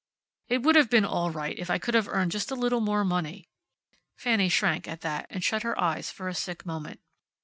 "It would have been all right if I could have earned just a little more money." Fanny shrank at that, and shut her eyes for a sick moment.